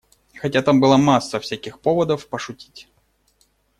Хотя там была масса всяких поводов пошутить.